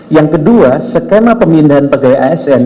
yang kedua skema pemindahan pegawai asn